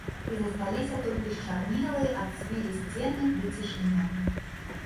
І засталіся толькі счарнелыя ад цвілі сцены ды цішыня.